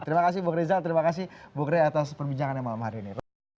terima kasih bu greza terima kasih bu gre atas perbincangan yang malam hari ini